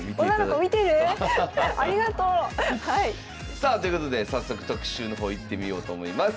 さあということで早速特集の方いってみようと思います。